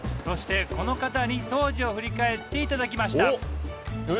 そしてこの方に当時を振り返っていただきました